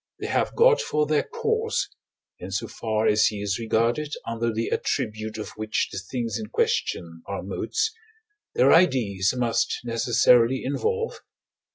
they have God for their cause, in so far as he is regarded under the attribute of which the things in question are modes, their ideas must necessarily involve (I.